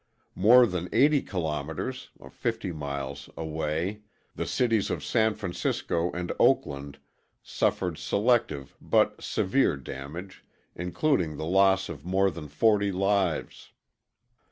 More than 80 kilometers (50 miles) away, the cities of San Francisco and Oakland suffered selective but severe damage, including the loss of more than 40 lives.